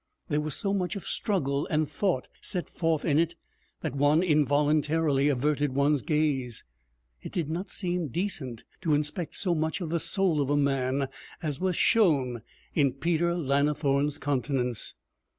There was so much of struggle and thought set forth in it that one involuntarily averted one's gaze. It did not seem decent to inspect so much of the soul of a man as was shown in Peter Lannithorne's countenance.